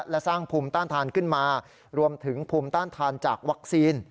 และสร้างภูมิต้านทานขึ้นมารวมถึงภูมิต้านทานจากวัคซีน